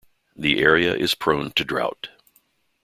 The area is prone to drought.